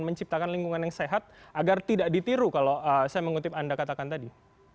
menciptakan lingkungan yang sehat agar tidak ditiru kalau saya mengutip anda katakan tadi